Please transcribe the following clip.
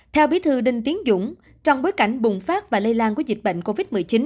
theo bí thư đinh tiến dũng trong bối cảnh bùng phát và lây lan của dịch bệnh covid một mươi chín